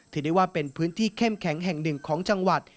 ถือได้ว่าเป็นพื้นที่เข้มแข็งแห่งหนึ่งของจังหวัด